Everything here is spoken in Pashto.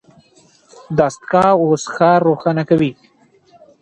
دستګاه اوس ښار روښانه کوي.